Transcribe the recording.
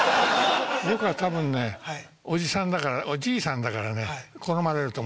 僕はたぶんねおじさんだからおじいさんだからね好まれると思うなと。